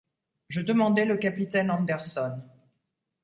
Je demandai le capitaine Anderson.